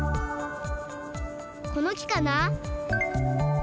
この木かな？